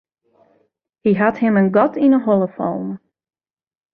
Hy hat him in gat yn 'e holle fallen.